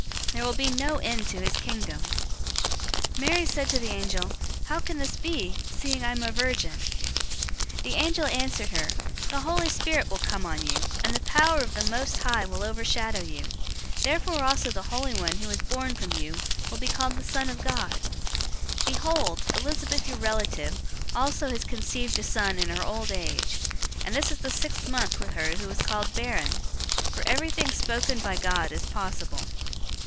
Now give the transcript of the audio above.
There will be no end to his Kingdom." 001:034 Mary said to the angel, "How can this be, seeing I am a virgin?" 001:035 The angel answered her, "The Holy Spirit will come on you, and the power of the Most High will overshadow you. Therefore also the holy one who is born from you will be called the Son of God. 001:036 Behold, Elizabeth, your relative, also has conceived a son in her old age; and this is the sixth month with her who was called barren. 001:037 For everything spoken by God is possible."